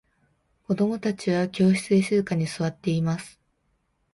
子供達は教室で静かに座っています。